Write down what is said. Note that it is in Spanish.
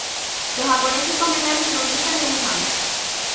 Los japoneses completaron su conquista de Wuhan.